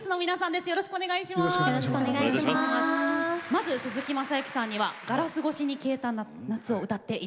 まず鈴木雅之さんには「ガラス越しに消えた夏」を歌って頂きます。